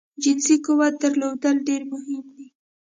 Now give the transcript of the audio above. جنسی قوت درلودل ډیر مهم دی